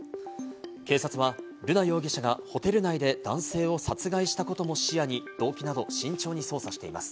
警察は瑠奈容疑者がホテル内で男性を殺害したことも視野に、動機など慎重に捜査しています。